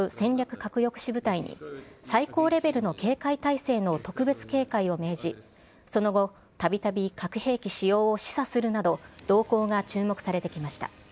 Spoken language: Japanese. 核抑止部隊に、最高レベルの警戒態勢の特別警戒を命じ、その後、たびたび核兵器使用を示唆するなど動向が注目されてきました。